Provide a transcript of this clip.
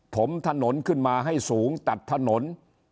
ถมถนนขึ้นมาให้สูงตัดถนน